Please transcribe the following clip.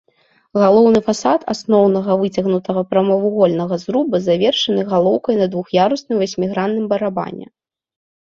Галоўны фасад асноўнага выцягнутага прамавугольнага зруба завершаны галоўкай на двух'ярусным васьмігранным барабане.